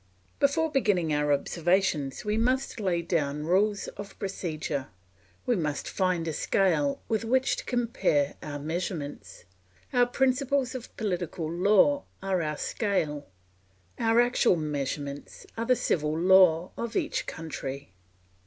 Before beginning our observations we must lay down rules of procedure; we must find a scale with which to compare our measurements. Our principles of political law are our scale. Our actual measurements are the civil law of each country.